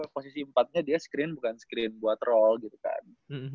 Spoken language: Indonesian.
posisi empat nya dia screen bukan screen buat roll gitu kan